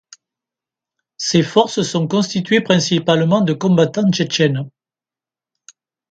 Ses forces sont constituées principalement de combattants tchétchènes.